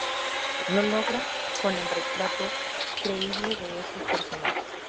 Lo logra con el retrato creíble de esos personajes".